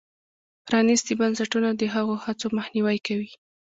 پرانیستي بنسټونه د هغو هڅو مخنیوی کوي.